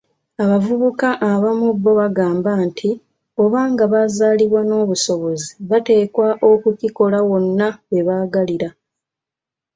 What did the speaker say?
Abavubuka abamu bo bagamba nti, obanga bazaalibwa n'obusobozi, bateekwa okukikola wonna we baagalira.